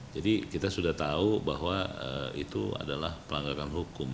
jadi kita sudah tahu bahwa itu adalah pelanggaran hukum